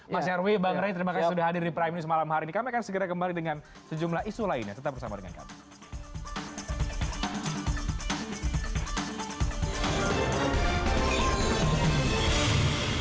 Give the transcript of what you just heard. mas nyarwi bang ray terima kasih sudah hadir di prime news malam hari ini kami akan segera kembali dengan sejumlah isu lainnya tetap bersama dengan kami